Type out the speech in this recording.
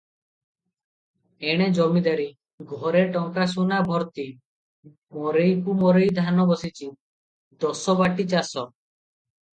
ଏଣେ ଜମିଦାରୀ - ଘରେ ଟଙ୍କା ସୁନା ଭରତି, ମରେଇକୁ ମରେଇ ଧାନ ବସିଛି, ଦଶ ବାଟି ଚାଷ ।